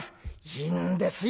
「いいんですよ。